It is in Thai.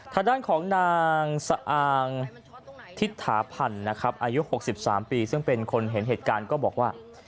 ทางด้านของนางสะอางทิศถาพันธ์นะครับอายุ๖๓ปีซึ่งเป็นคนเห็นเหตุการณ์ก็บอกว่า